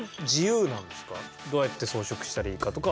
どうやって装飾したらいいかとかはもうお任せ。